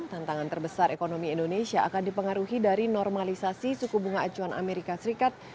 tantangan terbesar ekonomi indonesia akan dipengaruhi dari normalisasi suku bunga acuan amerika serikat